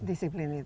disiplin itu ya